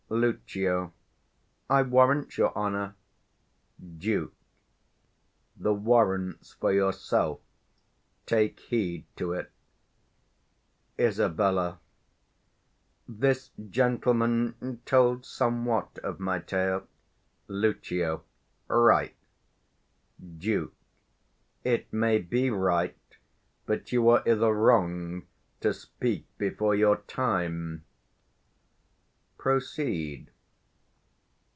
Lucio. I warrant your honour. Duke. The warrant's for yourself; take heed to't. Isab. This gentleman told somewhat of my tale, Lucio. Right. 85 Duke. It may be right; but you are i' the wrong To speak before your time. Proceed.